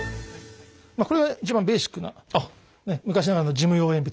これが一番ベーシックな昔ながらの事務用鉛筆という形で。